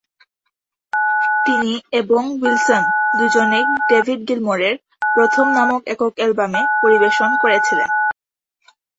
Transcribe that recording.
তিনি এবং উইলসন দুজনেই ডেভিড গিলমোরের প্রথম নামক একক অ্যালবামে পরিবেশন করেছিলেন।